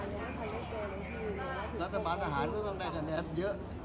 รัฐบาลทหารก็ต้องได้คะแนนเยอะ